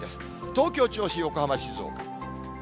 東京、銚子、横浜、静岡。